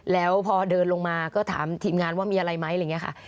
แล้วพอเดินลงมาก็ถามทีมงานว่ามีอะไรไหมอะไรอย่างนี้ค่ะ